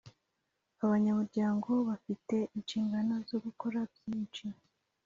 Abanyamuryango bafite inshingano zogukora byinshi